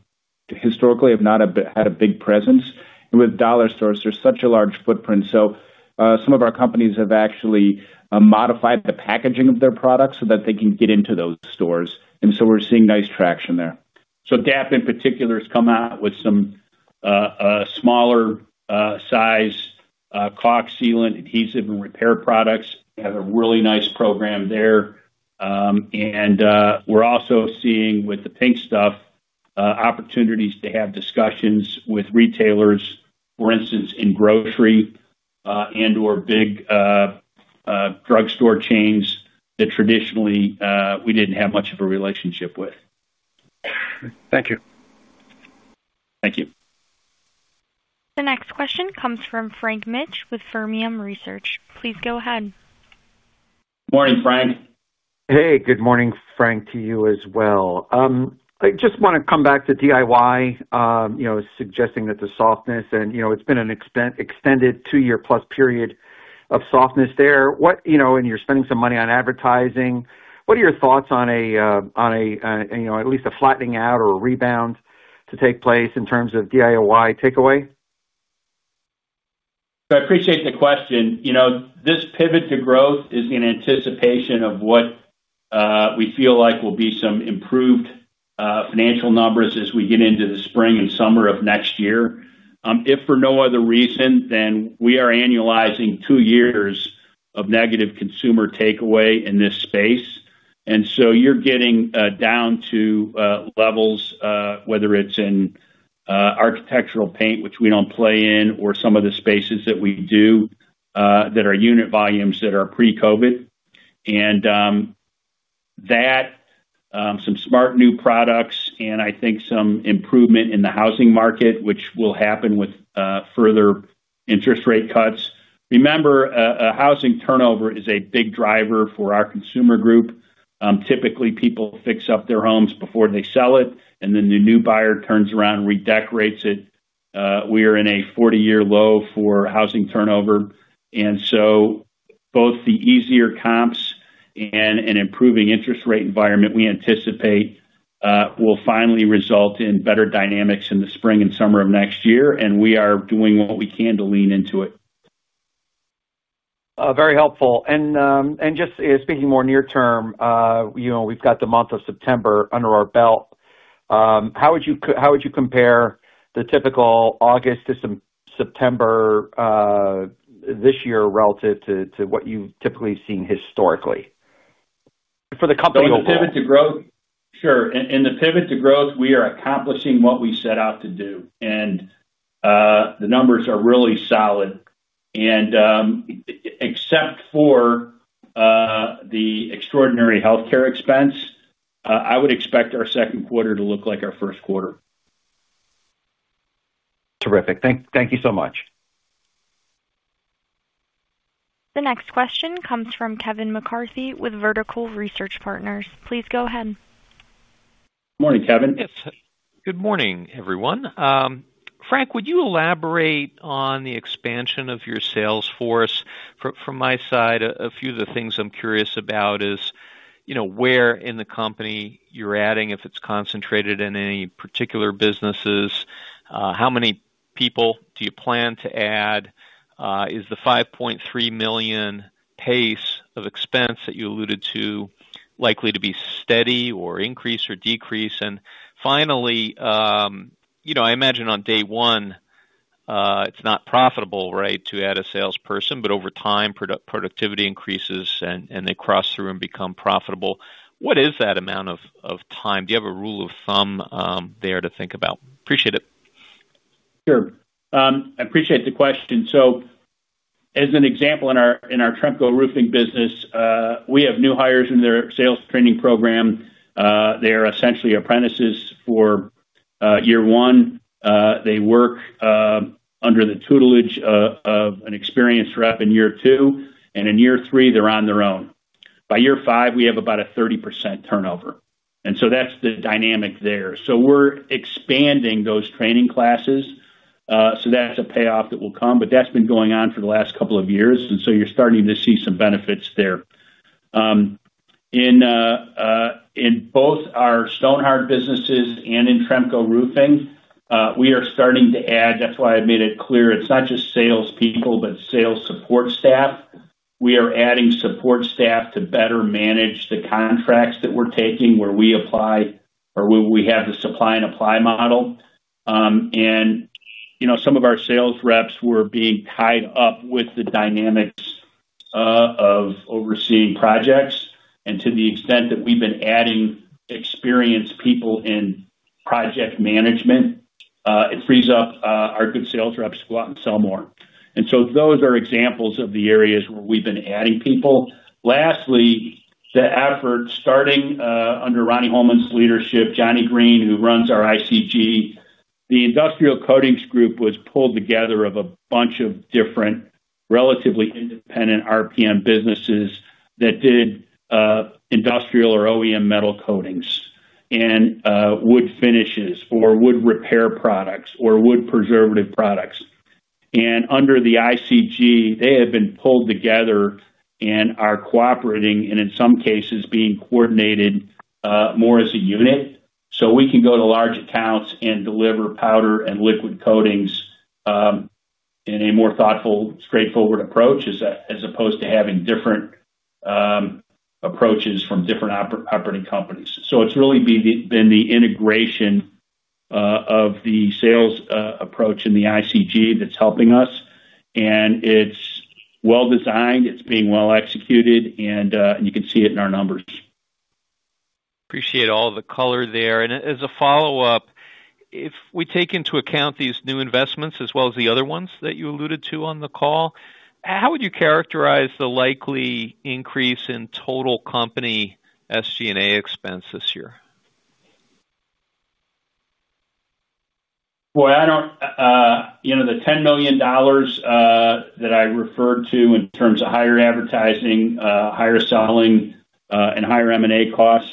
Speaker 3: historically have not had a big presence. With dollar stores, there's such a large footprint. Some of our companies have actually modified the packaging of their products so that they can get into those stores, and we're seeing nice traction there. DAP, in particular, has come out with some smaller-size caulk, sealant, adhesive, and repair products. They have a really nice program there. We're also seeing with The Pink Stuff opportunities to have discussions with retailers, for instance, in grocery and/or big drugstore chains that traditionally we didn't have much of a relationship with.
Speaker 12: Thank you.
Speaker 3: Thank you.
Speaker 1: The next question comes from Frank Mitsch with Fermium Research. Please go ahead.
Speaker 3: Morning, Frank.
Speaker 13: Hey, good morning, Frank, to you as well. I just want to come back to DIY, you know, suggesting that the softness and, you know, it's been an extended two-year-plus period of softness there. What, you know, and you're spending some money on advertising. What are your thoughts on a, you know, at least a flattening out or a rebound to take place in terms of DIY takeaway?
Speaker 3: I appreciate the question. This pivot to growth is in anticipation of what we feel like will be some improved financial numbers as we get into the spring and summer of next year. If for no other reason, then we are annualizing two years of negative consumer takeaway in this space. You're getting down to levels, whether it's in architectural paint, which we don't play in, or some of the spaces that we do that are unit volumes that are pre-COVID. That, some smart new products, and I think some improvement in the housing market, which will happen with further interest rate cuts. Remember, housing turnover is a big driver for our Consumer Group. Typically, people fix up their homes before they sell it, and then the new buyer turns around and redecorates it. We are in a 40-year low for housing turnover. Both the easier comps and an improving interest rate environment we anticipate will finally result in better dynamics in the spring and summer of next year, and we are doing what we can to lean into it.
Speaker 13: Very helpful. Just speaking more near-term, you know, we've got the month of September under our belt. How would you compare the typical August to September this year relative to what you've typically seen historically for the company overall?
Speaker 3: In the pivot to growth, we are accomplishing what we set out to do. The numbers are really solid. Except for the extraordinary healthcare expense, I would expect our second quarter to look like our first quarter.
Speaker 13: Terrific. Thank you so much.
Speaker 1: The next question comes from Kevin McCarthy with Vertical Research Partners. Please go ahead.
Speaker 3: Morning, Kevin.
Speaker 14: Yes. Good morning, everyone. Frank, would you elaborate on the expansion of your sales force? From my side, a few of the things I'm curious about is, you know, where in the company you're adding, if it's concentrated in any particular businesses. How many people do you plan to add? Is the $5.3 million pace of expense that you alluded to likely to be steady or increase or decrease? Finally, you know, I imagine on day one, it's not profitable, right, to add a salesperson, but over time, productivity increases and they cross through and become profitable. What is that amount of time? Do you have a rule of thumb there to think about? Appreciate it.
Speaker 3: Sure. I appreciate the question. As an example, in our Tremco Roofing business, we have new hires in their sales training program. They are essentially apprentices for year one. They work under the tutelage of an experienced rep in year two. In year three, they're on their own. By year five, we have about a 30% turnover. That's the dynamic there. We're expanding those training classes. That's a payoff that will come, but that's been going on for the last couple of years. You're starting to see some benefits there. In both our Stonehard businesses and in Tremco Roofing, we are starting to add, that's why I made it clear, it's not just salespeople, but sales support staff. We are adding support staff to better manage the contracts that we're taking where we apply or we have the supply and apply model. Some of our sales reps were being tied up with the dynamics of overseeing projects. To the extent that we've been adding experienced people in project management, it frees up our good sales reps to go out and sell more. Those are examples of the areas where we've been adding people. Lastly, the effort starting under Ronnie Holman's leadership, Johnny Green, who runs our ICG, the industrial coatings group, was pulled together of a bunch of different relatively independent RPM businesses that did industrial or OEM metal coatings and wood finishes or wood repair products or wood preservative products. Under the ICG, they have been pulled together and are cooperating and in some cases being coordinated more as a unit so we can go to large accounts and deliver powder and liquid coatings in a more thoughtful, straightforward approach as opposed to having different approaches from different operating companies. It's really been the integration of the sales approach in the ICG that's helping us. It's well-designed. It's being well-executed. You can see it in our numbers.
Speaker 14: Appreciate all the color there. As a follow-up, if we take into account these new investments as well as the other ones that you alluded to on the call, how would you characterize the likely increase in total company SG&A expense this year?
Speaker 3: I don't, you know, the $10 million that I referred to in terms of higher advertising, higher selling, and higher M&A costs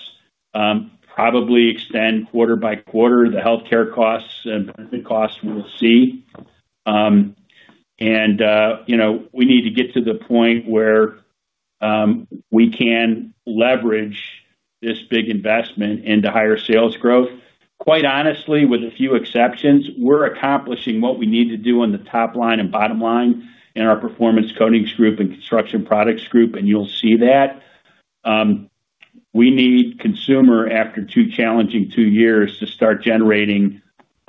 Speaker 3: probably extend quarter by quarter. The healthcare costs and benefit costs we'll see. You know, we need to get to the point where we can leverage this big investment into higher sales growth. Quite honestly, with a few exceptions, we're accomplishing what we need to do on the top line and bottom line in our Performance Coatings Group and Construction Products Group, and you'll see that. We need Consumer, after two challenging years, to start generating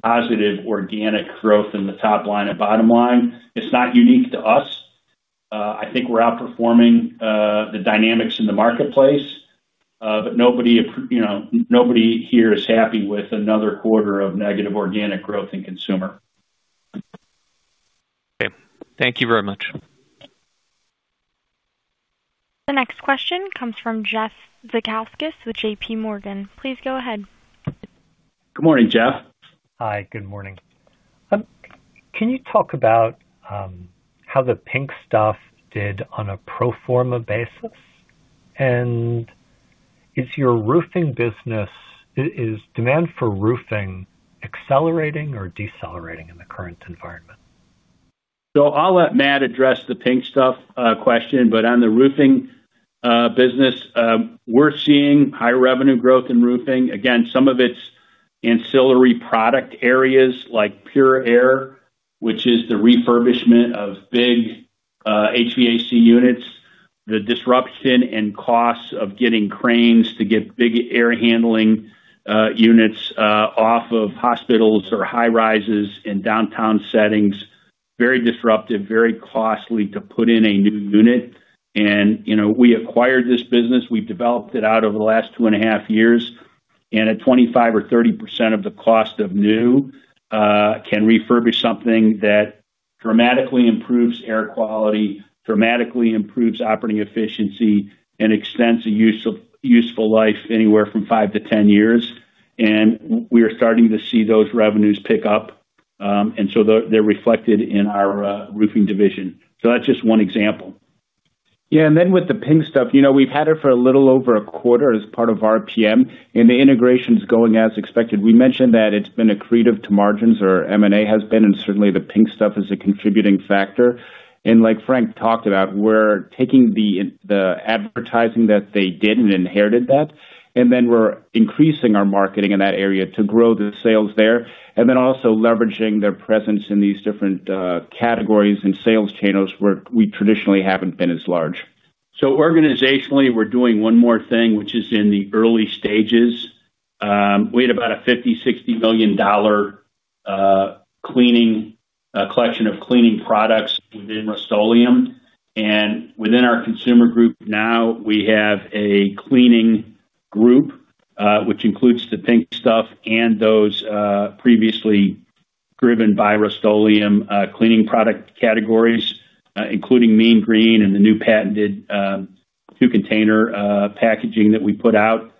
Speaker 3: positive organic growth in the top line and bottom line. It's not unique to us. I think we're outperforming the dynamics in the marketplace, but nobody, you know, nobody here is happy with another quarter of negative organic growth in Consumer.
Speaker 14: Okay, thank you very much.
Speaker 1: The next question comes from Jeff Zekauskas with JPMorgan. Please go ahead.
Speaker 3: Good morning, Jeff.
Speaker 15: Hi, good morning. Can you talk about how The Pink Stuff did on a pro forma basis? Is your roofing business, is demand for roofing accelerating or decelerating in the current environment?
Speaker 3: I'll let Matt address The Pink Stuff question. On the roofing business, we're seeing high revenue growth in roofing. Some of it's ancillary product areas like PureAir, which is the refurbishment of big HVAC units. The disruption and costs of getting cranes to get big air handling units off of hospitals or high rises in downtown settings is very disruptive and very costly to put in a new unit. We acquired this business and have developed it out over the last two and a half years. At 25% or 30% of the cost of new, we can refurbish something that dramatically improves air quality, dramatically improves operating efficiency, and extends a useful life anywhere from five to 10 years. We are starting to see those revenues pick up, and they're reflected in our roofing division. That's just one example. With The Pink Stuff, we've had it for a little over a quarter as part of RPM International Inc., and the integration is going as expected. We mentioned that it's been accretive to margins, or M&A has been, and certainly The Pink Stuff is a contributing factor. Like Frank talked about, we're taking the advertising that they did and inherited that, and we're increasing our marketing in that area to grow the sales there. We're also leveraging their presence in these different categories and sales channels where we traditionally haven't been as large. Organizationally, we're doing one more thing, which is in the early stages. We had about a $50 million, $60 million collection of cleaning products within Rust-Oleum. Within our Consumer Group now, we have a cleaning group, which includes The Pink Stuff and those previously driven by Rust-Oleum cleaning product categories, including Mean Green and the new patented two-container packaging that we put out.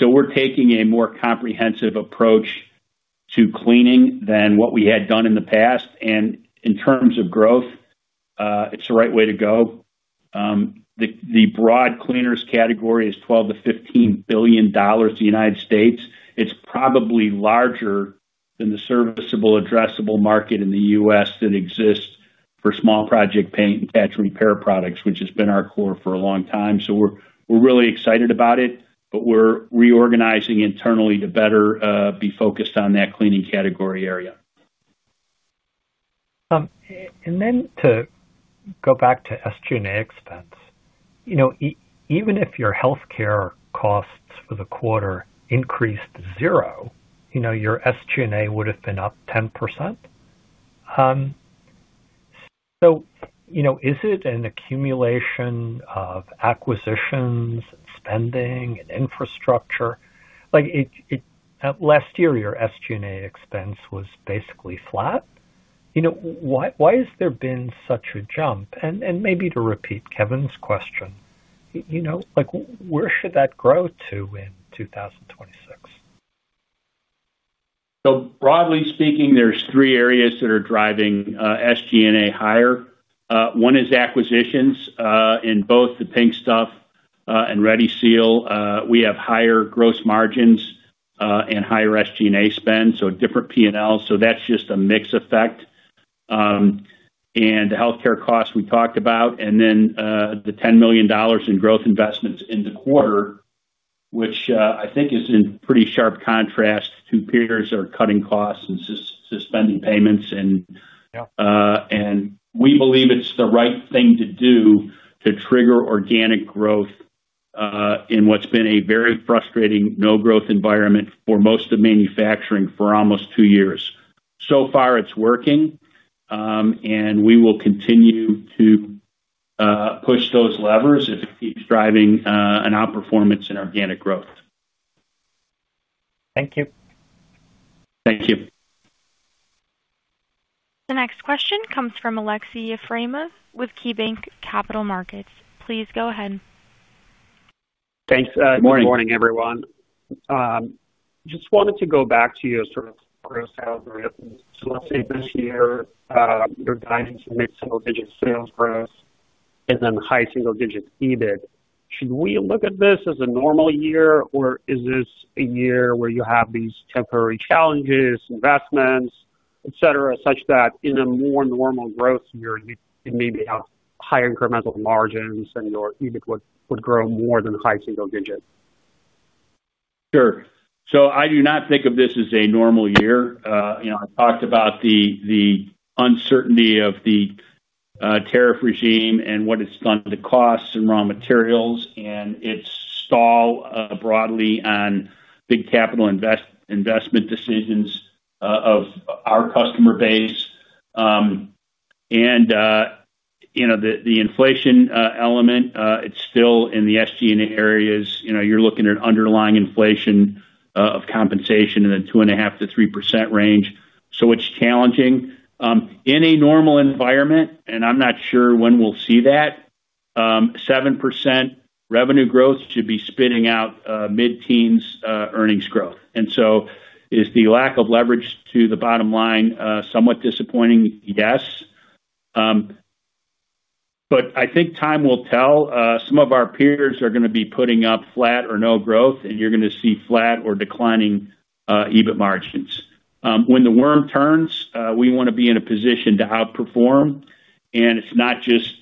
Speaker 3: We're taking a more comprehensive approach to cleaning than what we had done in the past. In terms of growth, it's the right way to go. The broad cleaners category is $12 billion - $15 billion in the United States. It's probably larger than the serviceable addressable market in the U.S. that exists for small project paint and patch repair products, which has been our core for a long time. We're really excited about it, and we're reorganizing internally to better be focused on that cleaning category area.
Speaker 15: To go back to SG&A expense, even if your healthcare costs for the quarter increased to zero, your SG&A would have been up 10%. Is it an accumulation of acquisitions, spending, and infrastructure? Last year, your SG&A expense was basically flat. Why has there been such a jump? Maybe to repeat Kevin's question, where should that grow to in 2026?
Speaker 3: Broadly speaking, there are three areas that are driving SG&A higher. One is acquisitions. In both The Pink Stuff and ReadySeal, we have higher gross margins and higher SG&A spend, so different P&L. That's just a mix effect. The healthcare costs we talked about, and then the $10 million in growth investments in the quarter, which I think is in pretty sharp contrast to peers that are cutting costs and suspending payments. We believe it's the right thing to do to trigger organic growth in what's been a very frustrating no-growth environment for most of manufacturing for almost two years. So far, it's working. We will continue to push those levers if it keeps driving an outperformance in organic growth.
Speaker 15: Thank you.
Speaker 3: Thank you.
Speaker 1: The next question comes from Aleksey Yefremov with KeyBanc Capital Markets. Please go ahead.
Speaker 16: Thanks. Good morning, everyone. I just wanted to go back to your sort of growth algorithms. Let's investigate your guidance in the single-digit sales growth and then the high single-digit EBIT. Should we look at this as a normal year, or is this a year where you have these temporary challenges, investments, etc., such that in a more normal growth year, you maybe have higher incremental margins and your EBIT would grow more than high single-digit?
Speaker 3: Sure. I do not think of this as a normal year. I talked about the uncertainty of the tariff regime and what it's done to costs and raw materials, and it's stalled broadly on big capital investment decisions of our customer base. The inflation element, it's still in the SG&A areas. You're looking at underlying inflation of compensation in the 2.5% - 3% range. It's challenging. In a normal environment, and I'm not sure when we'll see that, 7% revenue growth should be spitting out mid-teens earnings growth. Is the lack of leverage to the bottom line somewhat disappointing? Yes. I think time will tell. Some of our peers are going to be putting up flat or no growth, and you're going to see flat or declining EBIT margins. When the worm turns, we want to be in a position to outperform. It's not just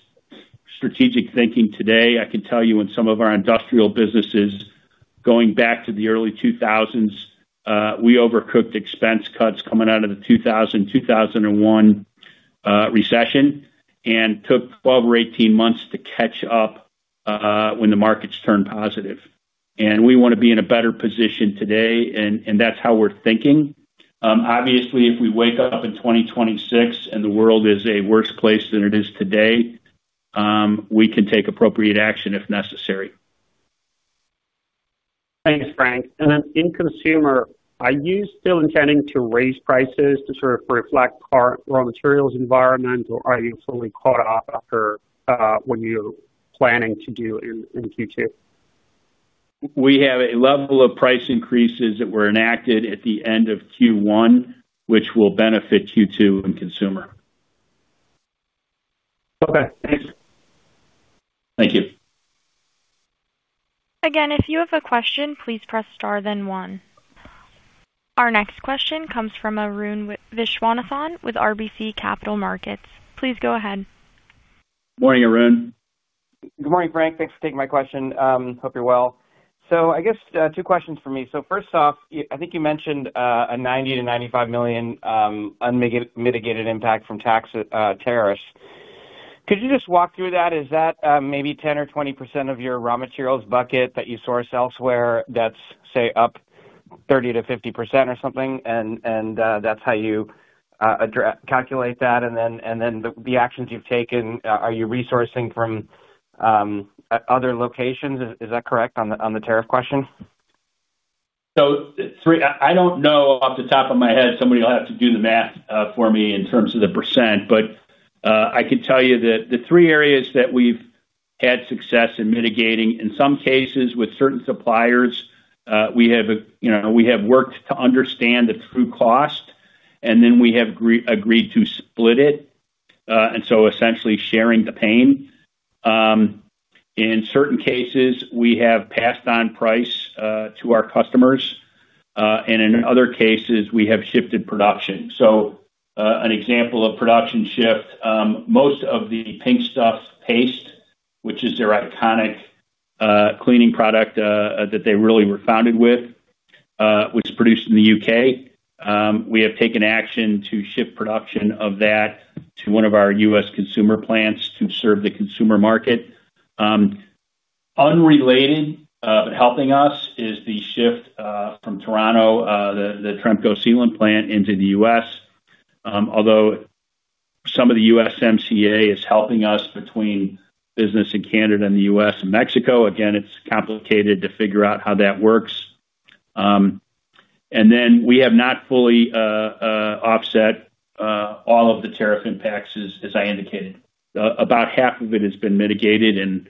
Speaker 3: strategic thinking today. I can tell you in some of our industrial businesses, going back to the early 2000s, we overcooked expense cuts coming out of the 2000, 2001 recession and took 12 or 18 months to catch up when the markets turned positive. We want to be in a better position today, and that's how we're thinking. Obviously, if we wake up in 2026 and the world is a worse place than it is today, we can take appropriate action if necessary.
Speaker 16: Thanks, Frank. In Consumer, are you still intending to raise prices to sort of reflect current raw materials environment, or are you fully caught up after what you're planning to do in Q2?
Speaker 3: We have a level of price increases that were enacted at the end of Q1, which will benefit Q2 in Consumer.
Speaker 16: Okay. Thanks.
Speaker 3: Thank you.
Speaker 1: Again, if you have a question, please press star then one. Our next question comes from Arun Viswanathan with RBC Capital Markets. Please go ahead.
Speaker 3: Morning, Arun.
Speaker 17: Good morning, Frank. Thanks for taking my question. Hope you're well. I guess two questions for me. First off, I think you mentioned a $90 million - $95 million unmitigated impact from tax tariffs. Could you just walk through that? Is that maybe 10% or 20% of your raw materials bucket that you source elsewhere that's, say, up 30% - 50% or something? That's how you calculate that. The actions you've taken, are you resourcing from other locations? Is that correct on the tariff question?
Speaker 3: I don't know off the top of my head. Somebody will have to do the math for me in terms of the %. I could tell you that the three areas that we've had success in mitigating, in some cases with certain suppliers, we have worked to understand the true cost, and then we have agreed to split it, essentially sharing the pain. In certain cases, we have passed on price to our customers. In other cases, we have shifted production. An example of production shift: most of The Pink Stuff paste, which is their iconic cleaning product that they really were founded with, is produced in the U.K.. We have taken action to shift production of that to one of our U.S. Consumer plants to serve the consumer market. Unrelated, but helping us, is the shift from Toronto, the Tremco Sealants plant, into the U.S. Although some of the USMCA is helping us between business in Canada and the U.S. and Mexico, it's complicated to figure out how that works. We have not fully offset all of the tariff impacts, as I indicated. About half of it has been mitigated, and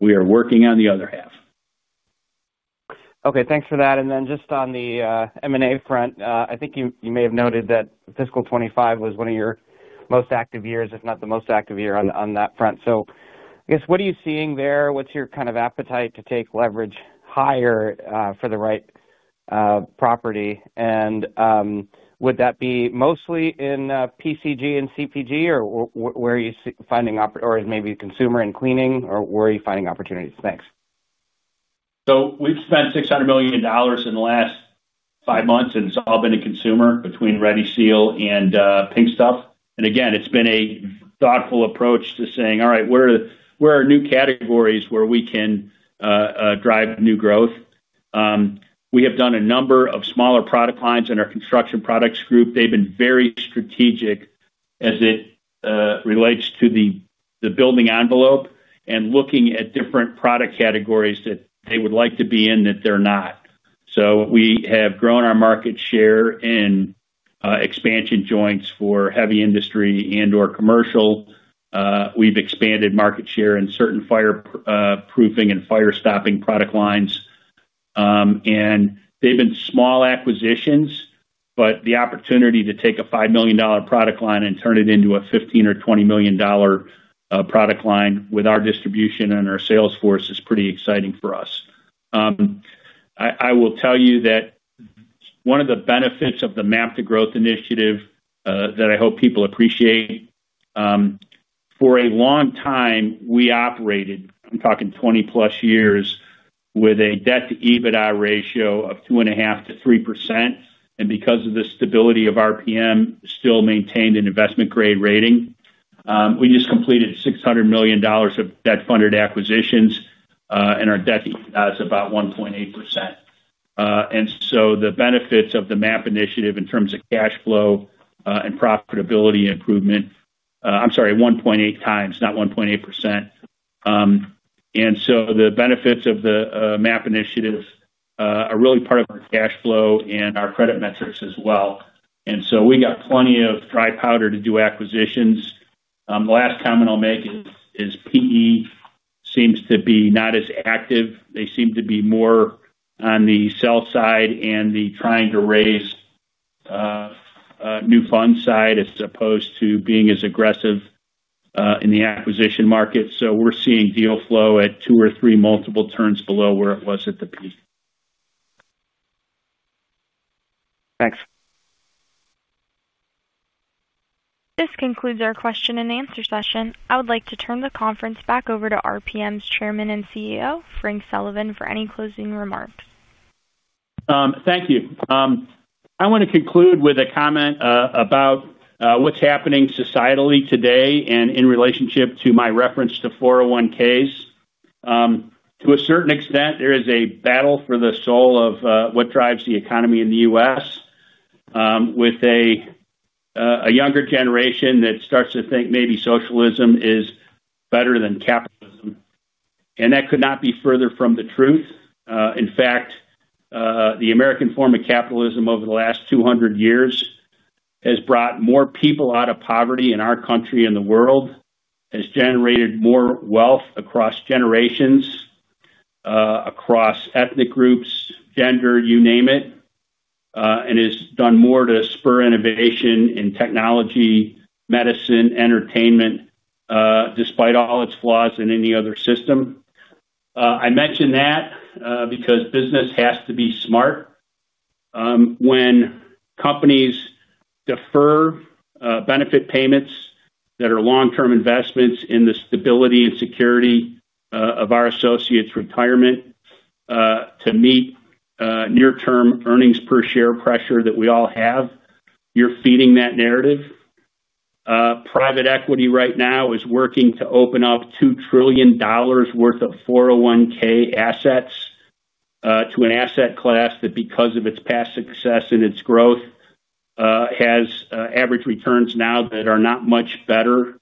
Speaker 3: we are working on the other half.
Speaker 17: Okay. Thanks for that. Just on the M&A front, I think you may have noted that fiscal 2025 was one of your most active years, if not the most active year on that front. What are you seeing there? What's your kind of appetite to take leverage higher for the right property? Would that be mostly in PCG and CPG, or maybe consumer and cleaning, or where are you finding opportunities? Thanks.
Speaker 3: We have spent $600 million in the last five months, and it's all been in Consumer between Ready Seal and The Pink Stuff. Again, it's been a thoughtful approach to saying, "All right, where are new categories where we can drive new growth?" We have done a number of smaller product lines in our Construction Products Group. They have been very strategic as it relates to the building envelope and looking at different product categories that they would like to be in that they're not. We have grown our market share in expansion joints for heavy industry and/or commercial. We have expanded market share in certain fireproofing and fire-stopping product lines. They have been small acquisitions, but the opportunity to take a $5 million product line and turn it into a $15 or $20 million product line with our distribution and our sales force is pretty exciting for us. One of the benefits of the MAP to Growth Initiative that I hope people appreciate, for a long time, we operated, I'm talking 20+ years, with a debt-to-EBITDA ratio of 2.5% - 3%. Because of the stability of RPM International Inc., we still maintained an investment-grade rating. We just completed $600 million of debt-funded acquisitions, and our debt to EBITDA is about 1.8%. The benefits of the MAP initiative in terms of cash flow and profitability improvement are really part of our cash flow and our credit metrics as well. We have plenty of dry powder to do acquisitions. The last comment I'll make is PE seems to be not as active. They seem to be more on the sell side and the trying to raise new funds side as opposed to being as aggressive in the acquisition market. We are seeing deal flow at two or three multiple turns below where it was at the peak.
Speaker 17: Thanks.
Speaker 1: This concludes our question and answer session. I would like to turn the conference back over to RPM Chairman and CEO, Frank Sullivan, for any closing remarks.
Speaker 3: Thank you. I want to conclude with a comment about what's happening societally today and in relationship to my reference to 401(k)s. To a certain extent, there is a battle for the soul of what drives the economy in the U.S. with a younger generation that starts to think maybe socialism is better than capitalism. That could not be further from the truth. In fact, the American form of capitalism over the last 200 years has brought more people out of poverty in our country and the world, has generated more wealth across generations, across ethnic groups, gender, you name it, and has done more to spur innovation in technology, medicine, entertainment, despite all its flaws, than any other system. I mention that because business has to be smart. When companies defer benefit payments that are long-term investments in the stability and security of our associates' retirement to meet near-term earnings per share pressure that we all have, you're feeding that narrative. Private equity right now is working to open up $2 trillion worth of 401(k) assets to an asset class that, because of its past success and its growth, has average returns now that are not much better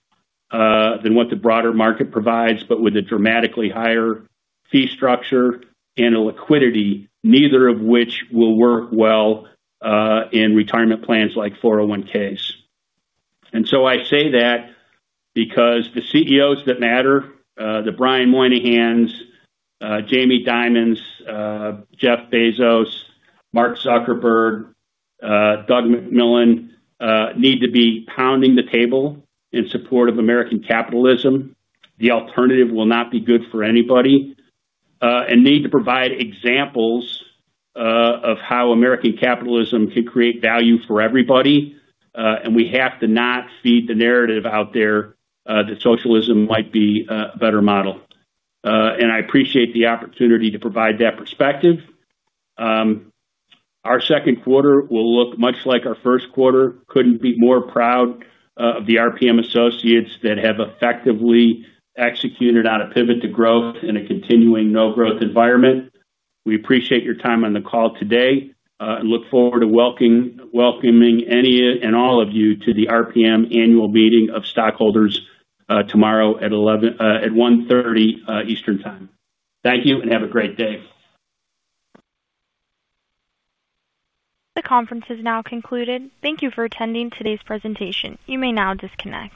Speaker 3: than what the broader market provides, but with a dramatically higher fee structure and a liquidity, neither of which will work well in retirement plans like 401(k)s. I say that because the CEOs that matter, the Brian Moynihans, Jamie Dimons, Jeff Bezos, Mark Zuckerberg, Doug McMillon, need to be pounding the table in support of American capitalism. The alternative will not be good for anybody. They need to provide examples of how American capitalism can create value for everybody. We have to not feed the narrative out there that socialism might be a better model. I appreciate the opportunity to provide that perspective. Our second quarter will look much like our first quarter. Couldn't be more proud of the RPM associates that have effectively executed on a pivot to growth in a continuing no-growth environment. We appreciate your time on the call today and look forward to welcoming any and all of you to the RPM annual meeting of stockholders tomorrow at 11:00 A.M., at 1:30 P.M. Eastern Time. Thank you and have a great day.
Speaker 1: The conference is now concluded. Thank you for attending today's presentation. You may now disconnect.